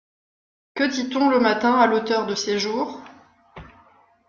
Que dit-on le matin à l’auteur de ses jours ?